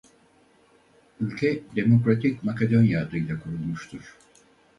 Ülke Demokratik Makedonya adıyla kurulmuştur.